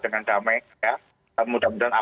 dengan damai ya mudah mudahan